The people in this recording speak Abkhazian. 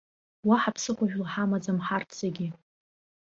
Уаҳа ԥсыхәажәла ҳамаӡам ҳарҭ зегьы.